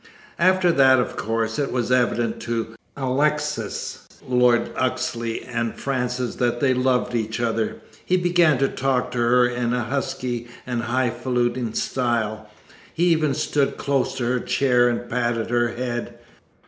After that, of course, it was evident to Alexis, Lord Oxley, and Frances that they loved each other. He began to talk to her in a husky and highfalutin style. He even stood close to her chair and patted her head.